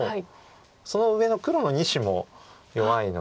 その上の黒の２子も弱いので。